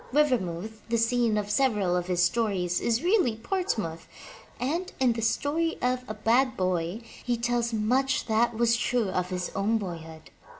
Rivermouth, the scene of several of his stories, is really Portsmouth, and in The Story of a Bad Boy, he tells much that was true of his own boyhood.